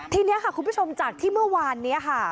ทีนี้ค่ะคุณผู้ชมจากที่เมื่อวานนี้ค่ะ